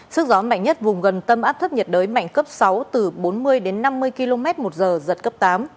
sức gió mạnh nhất vùng gần tâm áp thấp nhiệt đới mạnh cấp sáu từ bốn mươi đến năm mươi km một giờ giật cấp tám